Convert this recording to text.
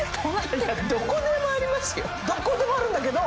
どこでもあるんだけど。